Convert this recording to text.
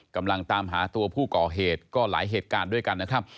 กำลังตามหาตัวผู้ก่อเหตุก็หลายเหตุการณ์ด้วยกันนะครับ